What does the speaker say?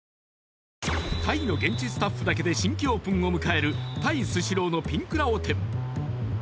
タイの現地スタッフだけで新規オープンを迎えるタイスシローのピンクラオ店